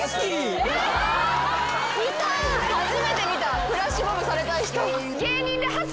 初めて見たフラッシュモブされたい人。